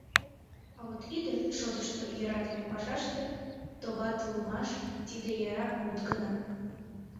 А вот ӱдыр шотышто, йӧратыме пашаште товатлымаш — тиде яра мут гына.